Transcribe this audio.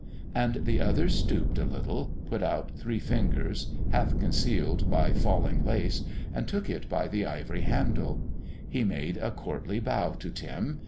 And the other stooped a little, put out three fingers half concealed by falling lace, and took it by the ivory handle. He made a courtly bow to Tim.